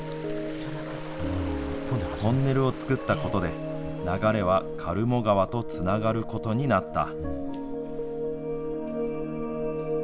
トンネルを作ったことで、流れは苅藻川とつながることになった。